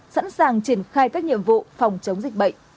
sẵn sàng triển khai các nhiệm vụ phòng chống dịch bệnh